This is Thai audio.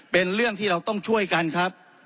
เป็นเรื่องที่เราต้องช่วยกันครับ